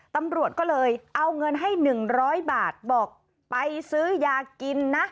ตำรวจก็เลยเอาเงินให้๑๐๐บาทบอกไปซื้อยากินนะ